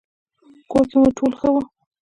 کور کې مو ټول ښه وو؟